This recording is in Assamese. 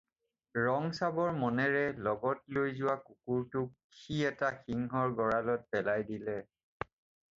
ৰং চাবৰ মনেৰে লগত লৈ যোৱা কুকুৰটোক সি এটা সিংহৰ গৰালত পেলাই দিলে।